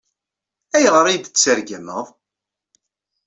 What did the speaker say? Ayɣer i yi-d-tettargameḍ?